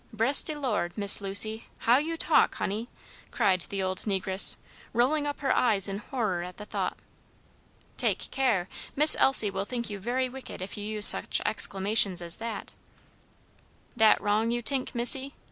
"Bress de Lord, Miss Lucy, how you talk, honey!" cried the old negress, rolling up her eyes in horror at the thought. "Take care; Miss Elsie will think you very wicked if you use such exclamations as that." "Dat wrong, you t'ink, missy?"